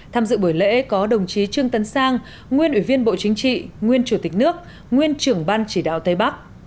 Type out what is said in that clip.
tham dự buổi lễ có đồng chí trương tấn sang nguyên ủy viên bộ chính trị nguyên chủ tịch nước nguyên trưởng ban chỉ đạo tây bắc